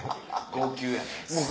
号泣やね。